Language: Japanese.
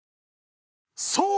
そう！